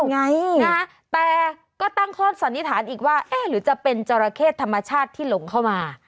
ไงนะฮะแต่ก็ตั้งข้อสันนิษฐานอีกว่าเอ๊ะหรือจะเป็นจราเข้ธรรมชาติที่หลงเข้ามา